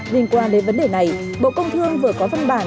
liên quan đến vấn đề này bộ công thương vừa có văn bản